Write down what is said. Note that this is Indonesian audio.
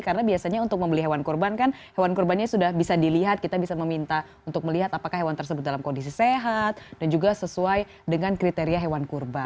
karena biasanya untuk membeli hewan kurban kan hewan kurbannya sudah bisa dilihat kita bisa meminta untuk melihat apakah hewan tersebut dalam kondisi sehat dan juga sesuai dengan kriteria hewan kurban